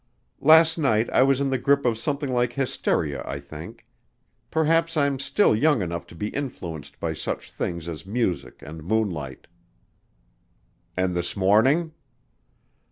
"Last night I was in the grip of something like hysteria, I think. Perhaps I'm still young enough to be influenced by such things as music and moonlight." "And this morning?"